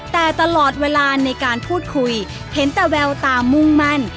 แต่ตลอดเวลาในการพูดคุยเห็นแต่แววตามุ่งมั่น